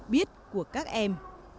biết của các em